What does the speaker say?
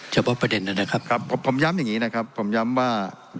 เฉพาะประเด็นนะครับครับผมย้ำอย่างนี้นะครับผมย้ำว่า